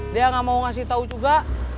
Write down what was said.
dia gak mau ngasih tau juga